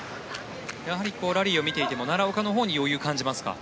やはりラリーを見ていても奈良岡のほうに余裕を感じますか？